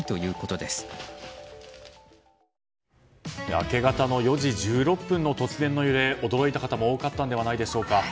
明け方の４時１６分の突然の揺れ驚いた方も多かったんではないでしょうか。